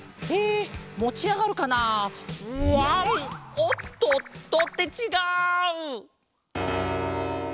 おっとっと。ってちがう！